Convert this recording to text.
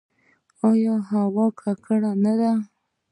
آیا هوا ککړه نه ده؟